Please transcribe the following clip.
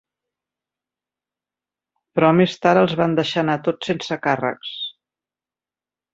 Però més tard, els van deixar anar a tots sense càrrecs.